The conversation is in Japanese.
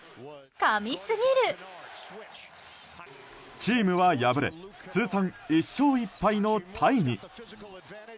チームは敗れ通算１勝１敗のタイに。